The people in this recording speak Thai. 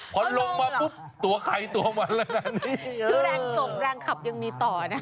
พอลงมาปุ๊บตัวไขตัวมันแล้วกันนี้